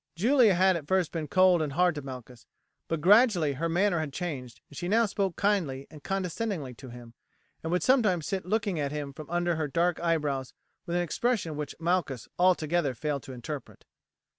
Julia had at first been cold and hard to Malchus, but gradually her manner had changed, and she now spoke kindly and condescendingly to him, and would sometimes sit looking at him from under her dark eyebrows with an expression which Malchus altogether failed to interpret.